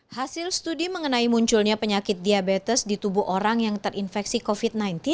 hasil studi mengenai munculnya penyakit diabetes di tubuh orang yang terinfeksi covid sembilan belas